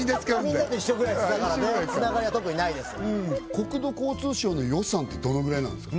みんなと一緒ぐらいですだからねつながりは特にないです国土交通省の予算ってどのぐらいなんですか？